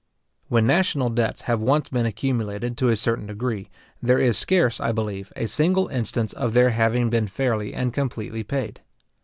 When national debts have once been accumulated to a certain degree, there is scarce, I believe, a single instance of their having been fairly and completely paid.